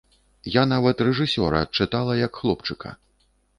Я нават рэжысёра адчытала, як хлопчыка.